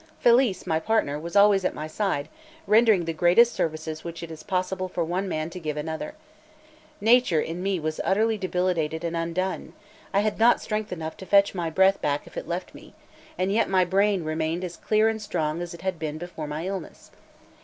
Felice, my partner, was always at my side, rendering the greatest services which it is possible for one man to give another. Nature in me was utterly debilitated and undone; I had not strength enough to fetch my breath back if it left me; and yet my brain remained as clear and strong as it had been before my illness.